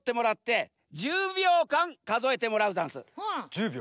１０秒。